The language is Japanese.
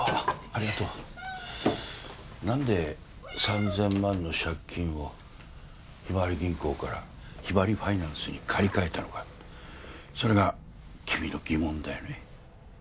ありがとう何で３０００万の借金をひまわり銀行からひばりファイナンスに借り換えたのかそれが君の疑問だよね